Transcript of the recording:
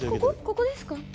ここですか？